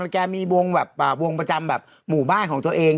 แกมีวงแบบวงประจำแบบหมู่บ้านของตัวเอง